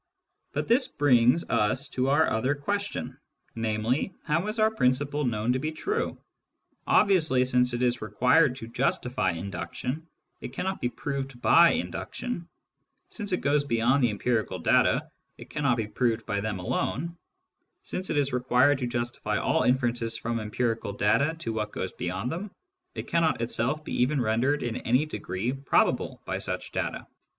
But this brings us to our other question, namely, how is our principle known to be true ? Obviously, since it is required to justify induction, it cannot be proved by induction ; since it goes beyond the empirical data, it cannot be proved by them alone ; since it is required to justify all inferences from empirical data to what goes beyond them, it cannot itself be even rendered in any degree probable by such data.